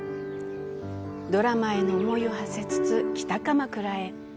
ドラマへの思いをはせつつ北鎌倉へ。